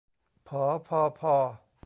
ผอ พอ ภอ